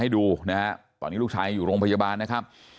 ของลูกชายเนี่ยมาให้ดูนะครับตอนนี้ลูกชายอยู่โรงพยาบาลนะครับ